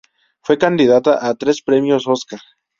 Fue candidata a tres Premios Óscar.